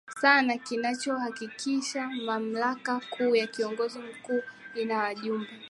sana kinachohakikisha mamlaka kuu ya kiongozi mkuu Ina wajumbe